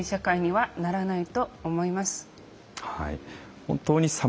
はい。